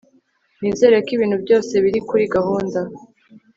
Nizere ko ibintu byose biri kuri gahunda